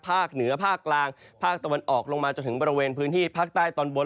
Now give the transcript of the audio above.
เหนือภาคกลางภาคตะวันออกลงมาจนถึงบริเวณพื้นที่ภาคใต้ตอนบน